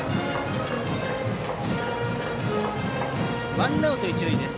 ワンアウト、一塁です。